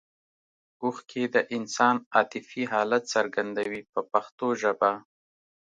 اوښکې د انسان عاطفي حالت څرګندوي په پښتو ژبه.